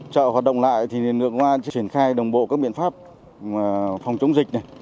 chợ hoạt động lại thì nước ngoan chuyển khai đồng bộ các biện pháp phòng chống dịch